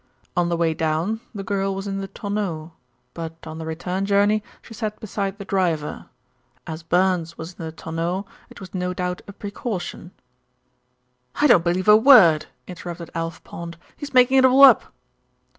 On the way down the girl was in the tonneau; but on the return journey she sat beside the driver. As Burns was in the tonneau, it was no doubt a precaution." "I don't believe a word," interrupted Alf Pond. "He's makin' it all up."